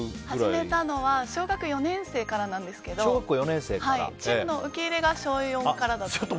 始めたのは小学４年生からなんですけどチームの受け入れが小４からだったので。